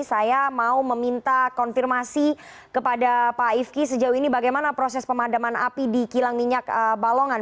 saya mau meminta konfirmasi kepada pak ifki sejauh ini bagaimana proses pemadaman api di kilang minyak balongan